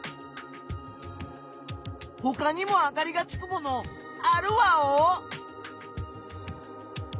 ほかにもあかりがつくものあるワオ？